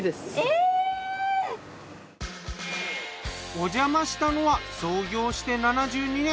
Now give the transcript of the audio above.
おじゃましたのは創業して７２年。